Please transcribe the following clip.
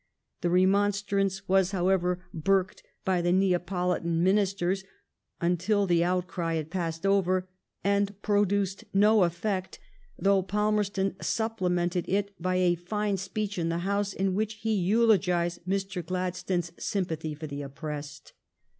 The re monstrance was, however, burked by the Neapolitan ministers until the outcry had passed away, and pro duced no effect, though Palmerston supplemented it by a fine speech in the House, in which he eulogised Mr. Gladstone's sympathy for the oppressed.